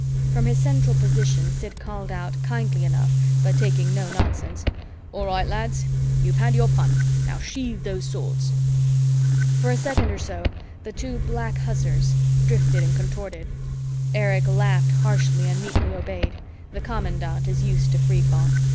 From his central position, Sid called out, kindly enough but taking no nonsense, "All right, lads, you've had your fun. Now sheathe those swords." For a second or so, the two black hussars drifted and contorted. Erich laughed harshly and neatly obeyed the commandant is used to free fall.